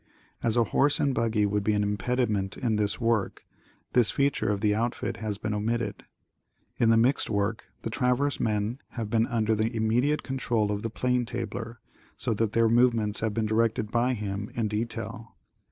As a horse and buggy would be an impediment in this work, this feature of the outfit has been omitted. In the mixed work the traverse men have been under the immediate control of the plane tabler, so that their movements have been directed by him in de tail.